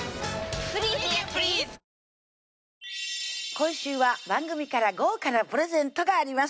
今週は番組から豪華なプレゼントがあります